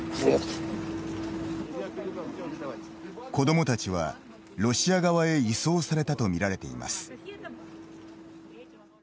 子どもたちは、ロシア側へ移送されたとみられています。